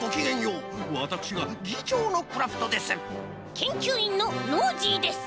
けんきゅういんのノージーです。